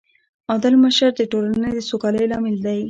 عادل مشر د ټولنې د سوکالۍ لامل دی.